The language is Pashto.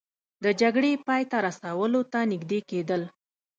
د جګړې پای ته رسولو ته نژدې کیدل